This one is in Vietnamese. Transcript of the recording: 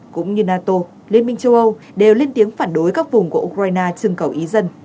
cũng như nato liên minh châu âu đều lên tiếng phản đối các vùng của ukraine chưng cầu ý dân